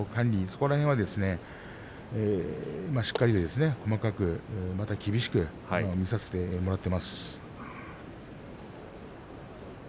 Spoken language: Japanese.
その辺はしっかりと細かく厳しく見させてもらっています。